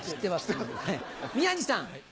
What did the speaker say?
宮治さん。